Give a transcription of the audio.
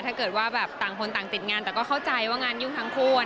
ถ้าเกิดว่าแบบต่างคนต่างติดงานแต่ก็เข้าใจว่างานยุ่งทั้งคู่